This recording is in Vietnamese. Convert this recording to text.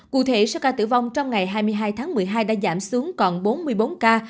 cụ thể số ca tử vong trong ngày hai mươi hai tháng một mươi hai đã giảm xuống còn bốn mươi bốn ca